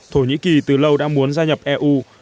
thổ nhĩ kỳ từ lâu đã muốn gia nhập eu